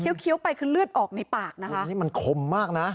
เคี้ยวไปคือเลือดออกในปากนะคะนี่มันคมมากน่ะ